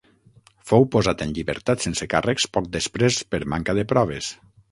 Fou posat en llibertat sense càrrecs poc després per manca de proves.